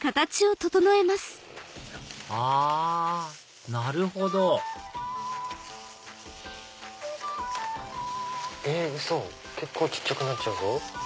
あぁなるほどえっウソ？結構小っちゃくなっちゃうぞ。